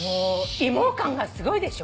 芋感がすごいでしょ。